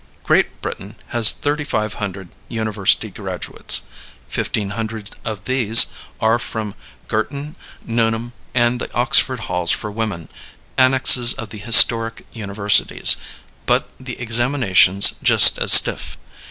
Great Britain has thirty five hundred university graduates. Fifteen hundred of these are from Girton, Newnham, and the Oxford Halls for Women, annexes of the historic universities, but with examinations just as stiff.